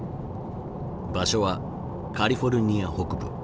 場所はカリフォルニア北部。